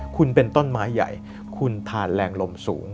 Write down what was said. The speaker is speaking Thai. คุณเป็นต้นไม้ใหญ่คุณทานแรงลมสูง